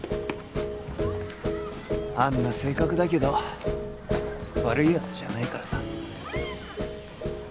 あんな性格だけど悪い奴じゃないからさ。